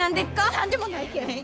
何でもないけん。